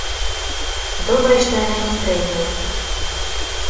Добра, што яна не стрэльнула.